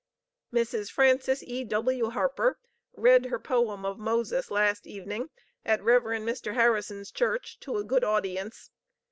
_ "Mrs. Frances E.W. Harper read her poem of 'Moses' last evening at Rev. Mr. Harrison's church to a good audience.